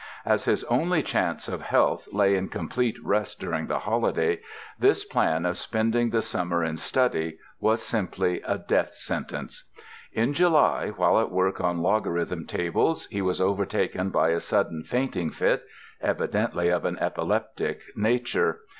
As his only chance of health lay in complete rest during the holiday, this plan of spending the summer in study was simply a death sentence. In July, while at work on logarithm tables, he was overtaken by a sudden fainting fit, evidently of an epileptic nature.